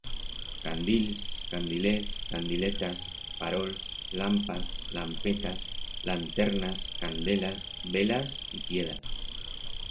Candils, candilez, candiletas, farols, lampas, lampetas, lanternas, candelas, velas y tiedas.